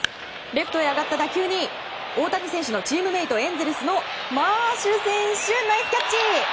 レフトへ上がった打球に大谷選手のチームメートエンゼルスのマーシュ選手ナイスキャッチ！